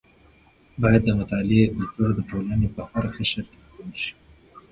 باید د مطالعې کلتور د ټولنې په هره قشر کې خپور شي.